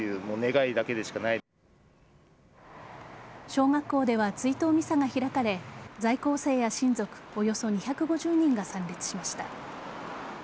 小学校では追悼ミサが開かれ在校生や親族およそ２５０人が参列しました。